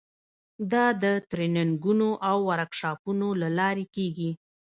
دا د ټریننګونو او ورکشاپونو له لارې کیږي.